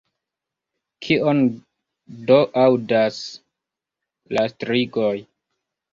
Kion do aŭdas la strigoj?